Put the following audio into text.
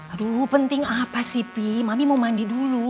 aduh penting apa sih pi mami mau mandi dulu